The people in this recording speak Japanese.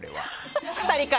２人から？